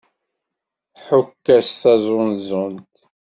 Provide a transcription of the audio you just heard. Ḥukk-as taẓunẓut!